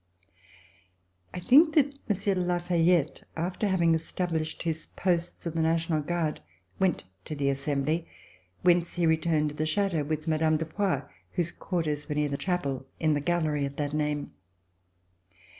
I think that Monsieur de La Fayette, after having established his posts of the National Guard, went to the Assembly, whence he returned to the Chateau RECOLLECTIONS OF THE REVOLUTION with Mme. de Poix, whose quarters were near the chapel in the gallery of that name.